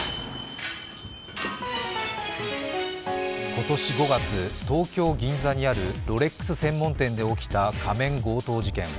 今年５月、東京・銀座にあるロレックス専門店で起きた仮面強盗事件。